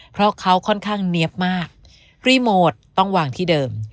เพราะเขาค่อนข้างเนี๊ยบมากรีโมทต้องวางที่เดิม